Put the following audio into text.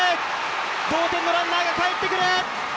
同点のランナーがかえってくる！